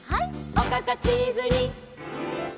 「おかかチーズにきめた！」